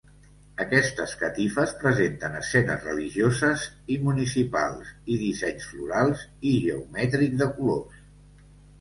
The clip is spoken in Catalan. Aquestes catifes presenten escenes religioses i municipals i dissenys florals i geomètrics de colors.